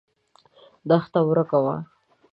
دښته ورکه وه.